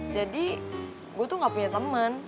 jadi gue tuh gak punya temen